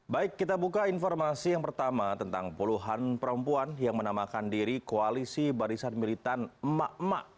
baik kita buka informasi yang pertama tentang puluhan perempuan yang menamakan diri koalisi barisan militan emak emak